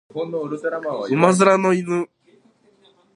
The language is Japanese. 馬面の犬